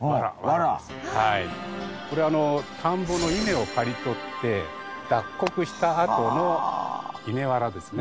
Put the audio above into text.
これ田んぼの稲を刈り取って脱穀したあとの稲わらですね。